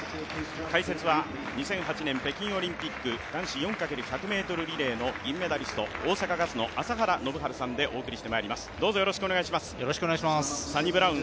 解説は２００８年北京オリンピック、男子４×１００ｍリレーの銀メダリスト大阪ガスの朝原宣治さんでお送りしてまいります。